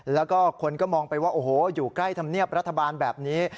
แล้วก็คนก็มองไปว่าโอ้โหอยู่ใกล้ธรรมเนียบรัฐบาลแบบนี้